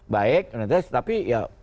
baik tapi ya